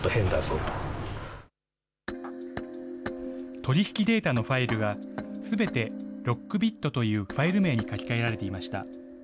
取り引きデータのファイルがすべてＬｏｃｋｂｉｔというファイル名に書き換えられていました。